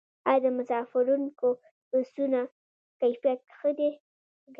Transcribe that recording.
آیا د مسافروړونکو بسونو کیفیت ښه دی؟